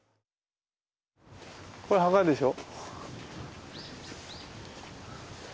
これ墓でしょ。